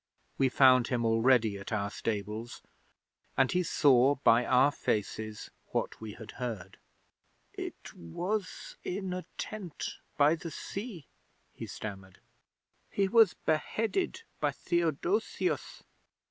We found him already at our stables, and he saw by our faces what we had heard. '"It was in a tent by the sea," he stammered. "He was beheaded by Theodosius.